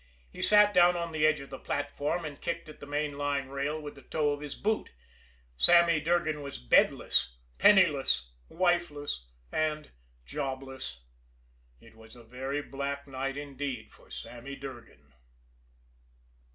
He sat down on the edge of the platform, and kicked at the main line rail with the toe of his boot. Sammy Durgan was bedless, penniless, wifeless and jobless. It was a very black night indeed for Sammy Durgan.